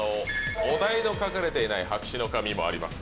お題の書かれていない白紙の紙もあります